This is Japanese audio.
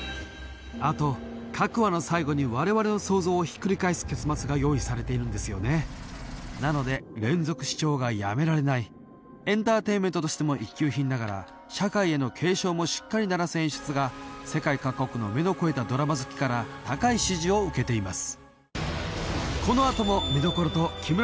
あと各話の最後に我々の想像をひっくり返す結末が用意されているんですよねなので連続視聴がやめられないエンターテインメントとしても一級品ながら社会への警鐘もしっかり鳴らす演出が世界各国の目の肥えたドラマ好きから高い支持を受けています